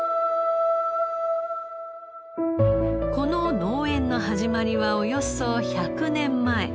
この農園の始まりはおよそ１００年前。